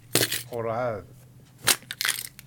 Ur ɛad.